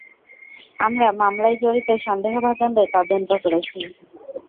আমরা মামলায় জড়িত সন্দেহভাজনদের তদন্ত করেছি।